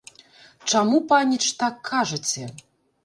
Чаму, паніч, так кажаце?